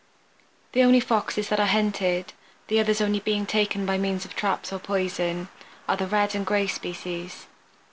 The only Foxes that are hunted (the others only being taken by means of traps or poison) are the Red and Gray species.